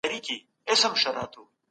ايا حضوري زده کړه د عملي تجربې فرصت زياتوي؟